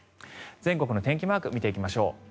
全国の天気マーク見ていきましょう。